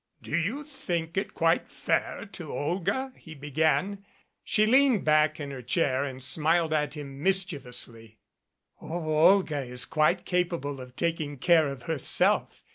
"Do you think it quite fair to Olga " he began. She leaned back in her chair and smiled at him mis chievously. "Oh, Olga is quite capable of taking care of herself.